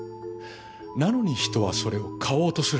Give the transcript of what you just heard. なのに人はそれを買おうとする。